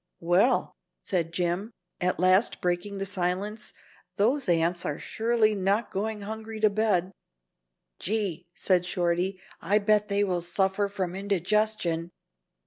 "Well," said Jim, at last breaking the silence, "those ants are surely not going hungry to bed." "Gee," said Shorty, "I bet they will suffer from indigestion."